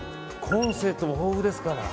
コンセントも豊富ですから。